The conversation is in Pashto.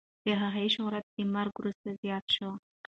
د هغې شهرت د مرګ وروسته زیات شو.